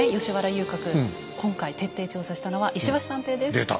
吉原遊郭今回徹底調査したのは石橋探偵です。